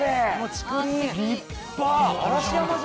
立派！